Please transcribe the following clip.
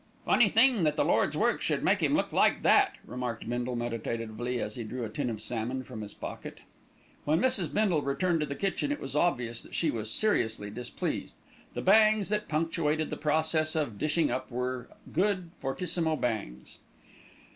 "Funny thing that the Lord's work should make 'im look like that," remarked Bindle meditatively, as he drew a tin of salmon from his pocket. When Mrs. Bindle returned to the kitchen it was obvious that she was seriously displeased. The bangs that punctuated the process of "dishing up" were good fortissimo bangs.